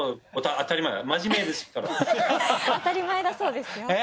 当たり前だそうですよ。えっ？